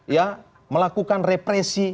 ya melakukan represi